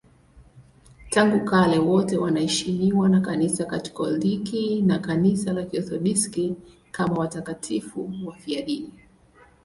Tangu kale wote wanaheshimiwa na Kanisa Katoliki na Kanisa la Kiorthodoksi kama watakatifu wafiadini.